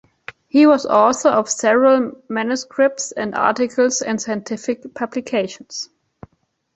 He was author of several manuscripts and articles in scientific publications.